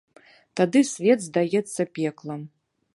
Тады свет здаецца пеклам.